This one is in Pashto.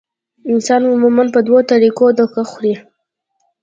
انسان عموماً پۀ دوه طريقو دوکه خوري -